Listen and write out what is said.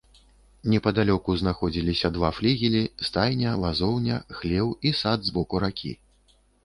Непадалёку знаходзіліся два флігелі, стайня, вазоўня, хлеў і сад з боку ракі.